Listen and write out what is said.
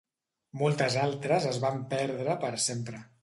Moltes altres es van perdre per sempre.